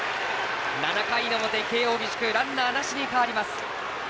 ７回の表、慶応義塾ランナーなしに変わります。